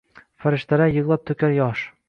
Farishtalar yig’lab to’kar yosh.